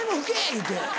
言うて。